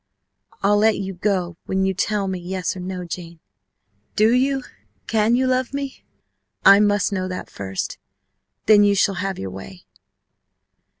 "I'll let you go when you tell me yes or no, Jane. Do you, can you love me? I must know that first. Then you shall have your way."